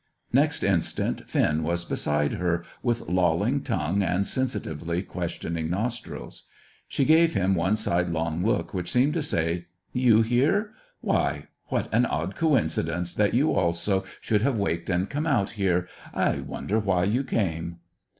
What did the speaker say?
Next instant Finn was beside her, with lolling tongue and sensitively questioning nostrils. She gave him one sidelong look which seemed to say, "You here? Why, what an odd coincidence that you also should have waked and come out here! I wonder why you came!"